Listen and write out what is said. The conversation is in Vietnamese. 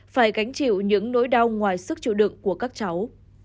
phải gánh chịu những nỗi đau ngoài sức trụ đựng của các cháu